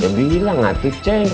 kamu harusnya nangkepnya cepet